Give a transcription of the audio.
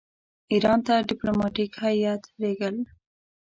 ایران ته ډیپلوماټیک هیات لېږل.